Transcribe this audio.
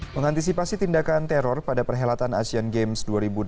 mengantisipasi tindakan teror pada perhelatan asian games dua ribu delapan belas